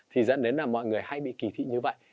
thì dẫn đến là mọi người hay bị kỳ thị như vậy